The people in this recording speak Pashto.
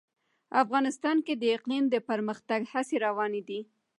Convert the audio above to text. افغانستان کې د اقلیم د پرمختګ هڅې روانې دي.